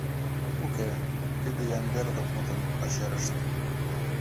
— Уке, тиде Ямбердовмытын пачерышт.